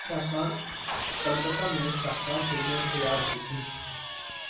کلکتہ میں شاہکار فلمیں تیار ہوتیں۔